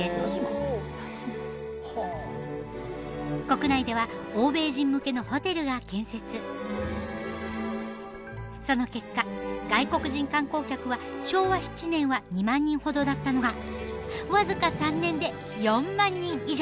国内ではその結果外国人観光客は昭和７年は２万人ほどだったのが僅か３年で４万人以上へ。